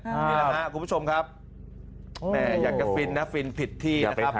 นี่แหละครับคุณผู้ชมครับแม่อยากจะฟินนะฟินผิดที่นะครับ